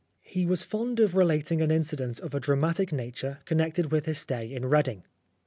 He was fond of relating an incident of a dramatic nature connected with his stay in Reading.